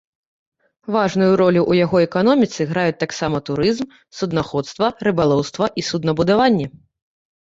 Важную ролю ў яго эканоміцы граюць таксама турызм, суднаходства, рыбалоўства і суднабудаванне.